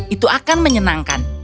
itu akan menyenangkan